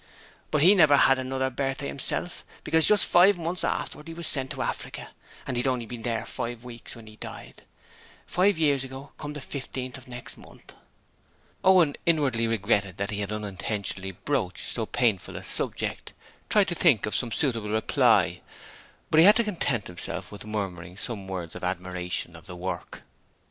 'But he never had another birthday himself, because just five months afterwards he were sent out to Africa, and he'd only been there five weeks when he died. Five years ago, come the fifteenth of next month.' Owen, inwardly regretting that he had unintentionally broached so painful a subject, tried to think of some suitable reply, but had to content himself with murmuring some words of admiration of the work.